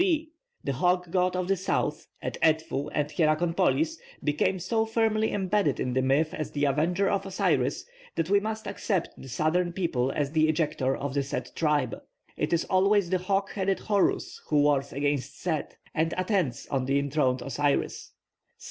(B) The hawk god of the south, at Edfu and Hierakonpolis, became so firmly embedded in the myth as the avenger of Osiris, that we must accept the southern people as the ejectors of the Set tribe. It is always the hawk headed Horus who wars against Set, and attends on the enthroned Osiris.